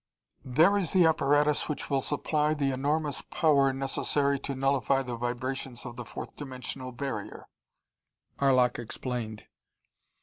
"There is the apparatus which will supply the enormous power necessary to nullify the vibrations of the fourth dimensional barrier," Arlok explained.